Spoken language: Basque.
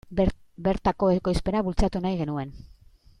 Bertako ekoizpena bultzatu nahi genuen.